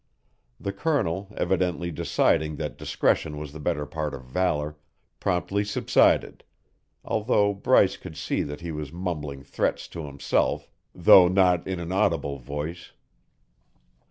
The Colonel, evidently deciding that discretion was the better part of valour, promptly subsided, although Bryce could see that he was mumbling threats to himself, though not in an audible voice.